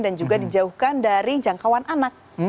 dan juga dijauhkan dari jangkauan anak